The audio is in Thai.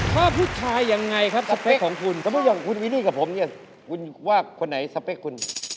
ถ้าผู้ชายยังไงครับสเปคของคุณสมมุติอย่างคุณมีหนี้กับผมเนี่ยคุณว่าคนไหนสเปคคุณ